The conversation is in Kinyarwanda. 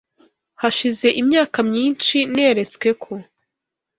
Hashize imyaka myinshi neretswe ko